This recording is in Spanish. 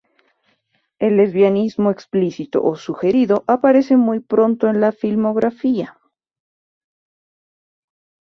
El lesbianismo explícito o sugerido aparece muy pronto en la filmografía.